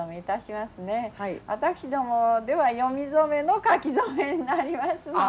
私どもでは詠み初めの書き初めになりますので。